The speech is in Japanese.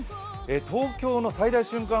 東京の最大瞬間